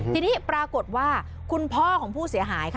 ทีนี้ปรากฏว่าคุณพ่อของผู้เสียหายค่ะ